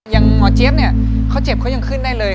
หมอเจี๊ยบเนี่ยเขาเจ็บเขายังขึ้นได้เลย